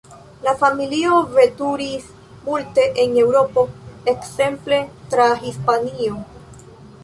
La familio veturis multe en Eŭropo, ekzemple tra Hispanio.